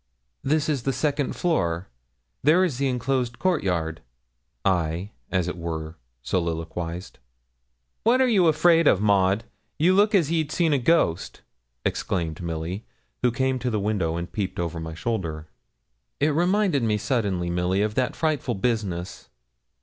'This is the second floor there is the enclosed court yard' I, as it were, soliloquised. 'What are you afraid of, Maud? you look as ye'd seen a ghost,' exclaimed Milly, who came to the window and peeped over my shoulder. 'It reminded me suddenly, Milly, of that frightful business.'